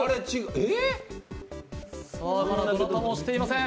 まだどなたも押していません。